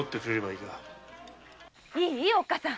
いいおっかさん。